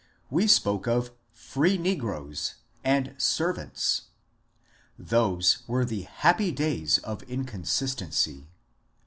We spoke of " free ne groes '^ and ^^ servants." Those were the happy days of incon sistency.